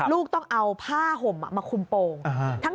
ลูกต้องเอาผ้าห่มมาคุมโปรง